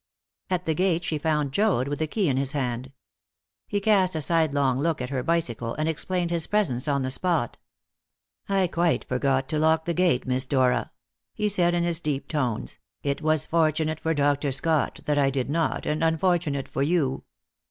At the gate she found Joad, with the key in his hand. He cast a sidelong look at her bicycle, and explained his presence on the spot. "I quite forgot to lock the gate, Miss Dora," he said, in his deep tones; "it was fortunate for Dr. Scott that I did not, and unfortunate for you."